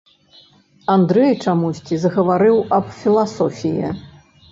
Андрэй чамусьці загаварыў аб філасофіі.